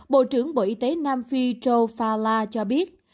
bộ trưởng bộ y tế nam phi joe fala cho biết